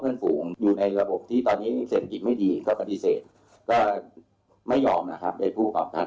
เป็นกึ่งพูนวิลล่าโรงแรมขนาดเล็กนะคะ